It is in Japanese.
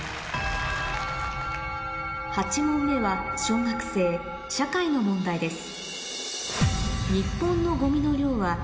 ８問目は小学生の問題です